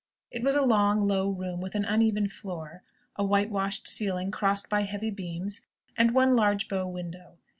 It was a long, low room, with an uneven floor, a whitewashed ceiling crossed by heavy beams, and one large bow window.